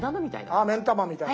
ああ目ん玉みたいな。